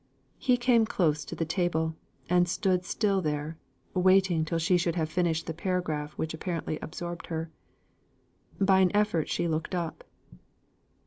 He came close to the table, and stood still there, waiting till she should have finished the paragraph which apparently absorbed her. By an effort she looked up.